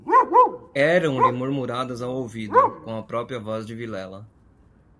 Eram-lhe murmuradas ao ouvido, com a própria voz de Vilela.